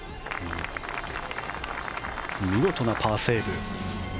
見事なパーセーブ。